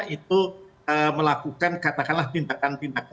itu melakukan katakanlah bintang bintang ya